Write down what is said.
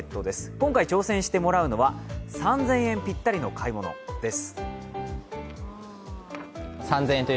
今回挑戦してもらうのは３０００円ぴったりの買い物です。